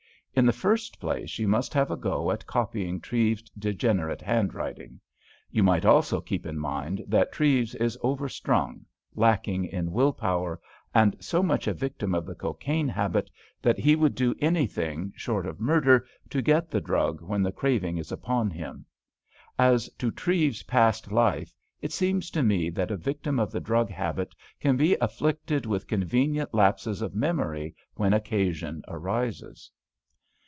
In the first place, you might have a go at copying Treves's degenerate handwriting. You might also keep in mind that Treves is over strung, lacking in will power, and so much a victim of the cocaine habit that he would do anything, short of murder, to get the drug when the craving is upon him. As to Treves's past life, it seems to me that a victim of the drug habit can be afflicted with convenient lapses of memory when occasion arises."